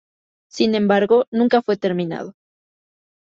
Sin embargo, nunca fue terminado.